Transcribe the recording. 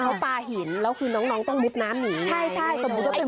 เอาปลาหินคือนองต้องมุดน้ำหนีไง